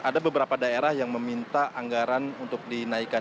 ada beberapa daerah yang meminta anggaran untuk dinaikkan